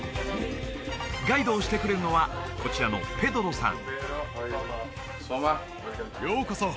ガイドをしてくれるのはこちらのペドロさん